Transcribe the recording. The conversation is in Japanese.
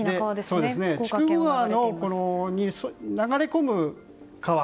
筑後川に流れ込む川。